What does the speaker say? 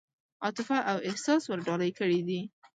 عاطفه او احساس ورډالۍ کړي دي.